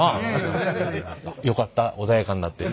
よかった穏やかになって。